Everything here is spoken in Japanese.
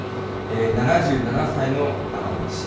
７７歳の永守氏。